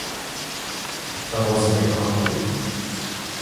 等我送你返去